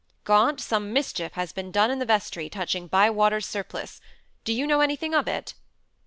"Gaunt, some mischief has been done in the vestry, touching Bywater's surplice. Do you know anything of it?"